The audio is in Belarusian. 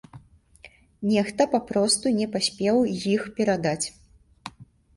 Нехта папросту не паспеў іх перадаць.